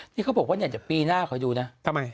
นี่เขาบอกว่าเนี่ยแต่ปีหน้าเขาอยู่นะเขาทำไม